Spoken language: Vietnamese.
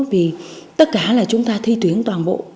vì tất cả là chúng ta thi tuyển toàn bộ